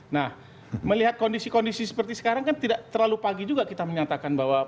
nah melihat kondisi kondisi seperti sekarang kan tidak terlalu pagi juga kita menyatakan bahwa